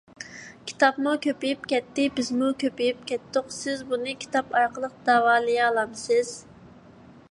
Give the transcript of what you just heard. _ كىتابمۇ كۆپىيىپ كەتتى، بىزمۇ كۆپىيىپ كەتتۇق. سىز بۇنى كىتاب ئارقىلىق داۋالىيالامسىز؟